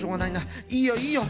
いいよいいよ。